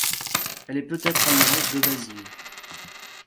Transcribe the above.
Elle est peut-être amoureuse de Basil.